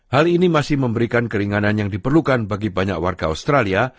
hal ini masih memberikan keringanan yang diperlukan bagi banyak warga australia